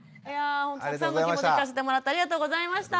たくさんのお気持ち聞かせてもらってありがとうございました。